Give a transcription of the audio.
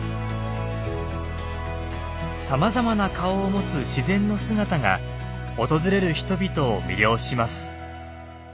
さまざまな顔を持つ自然の姿が訪れる人々を魅了します。